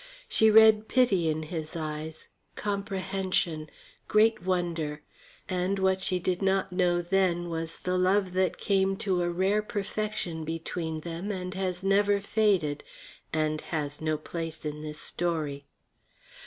She read pity in his eyes, comprehension, great wonder, and what she did not know then was the love that came to a rare perfection between them and has never faded and has no place in this story.